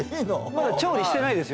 まだ調理してないですよ？